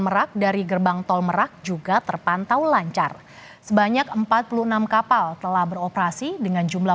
merak dari gerbang tol merak juga terpantau lancar sebanyak empat puluh enam kapal telah beroperasi dengan jumlah